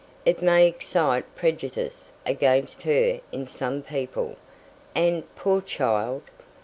It may excite prejudice against her in some people; and, poor child!